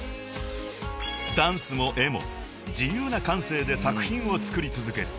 ［ダンスも絵も自由な感性で作品を作り続ける］